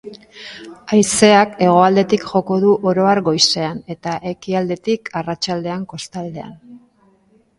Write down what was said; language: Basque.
Haizeak hegoaldetik joko du oro har goizean, eta ekialdetik arratsaldean kostaldean.